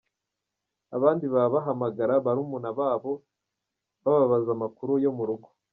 Abandi baba bahamagara barumuna babo bababaza amakuru yo mu rugo.